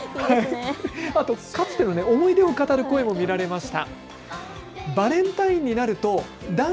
かつての思い出を語る声も見られました。